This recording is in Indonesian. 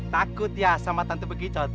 takut ya sama tante begitu